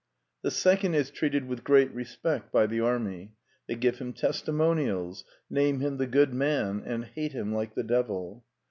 The second is treated with great respect by the army. They give him testimonials ; name him the Good Man; and hate him like the devil.